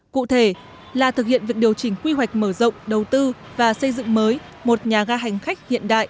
cụ thể là thực hiện việc điều chỉnh quy hoạch mở rộng đầu tư và xây dựng mới một nhà ga hành khách hiện đại